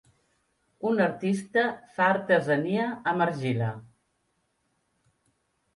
Un artista fa artesania amb argila.